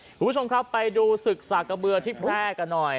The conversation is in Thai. คุณผู้ชมครับไปดูศึกสากะเบือที่แพร่กันหน่อย